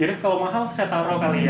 jadi kalau mahal saya taruh kali ya